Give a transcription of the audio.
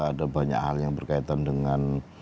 ada banyak hal yang berkaitan dengan